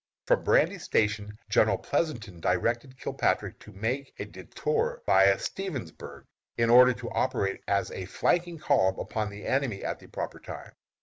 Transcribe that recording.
From Brandy Station General Pleasonton directed Kilpatrick to make a détour viâ Stevensburg, in order to operate as a flanking column upon the enemy at the proper time.